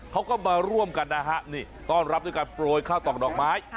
เขาก็มาร่วมกันนะฮะนี่ต้อนรับด้วยการโปรยข้าวตอกดอกไม้